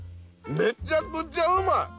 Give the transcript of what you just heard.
めちゃくちゃうまい。